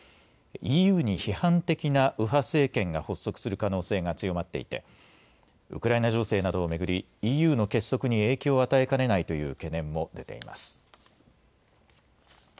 ＥＵに批判的な右派政権が発足する可能性が強まっていてウクライナ情勢などを巡りＥＵの結束に影響を与えかねないという懸念も出ています。